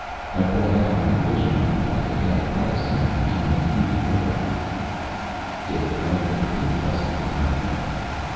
I bought out my original contract at half price and became a free robot." Dik vibrated his rusted diaphragm.